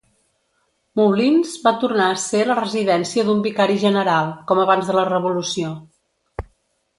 Moulins va tornar a ser la residència d'un vicari general, com abans de la revolució.